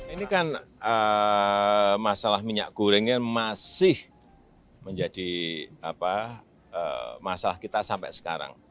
ini kan masalah minyak goreng ini masih menjadi masalah kita sampai sekarang